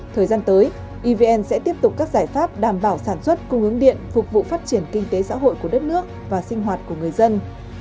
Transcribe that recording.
thời gian tới evn sẽ tiếp tục các giải pháp đảm bảo sản xuất cung ứng điện phục vụ phát triển kinh tế xã hội của đất nước và sinh hoạt của người dân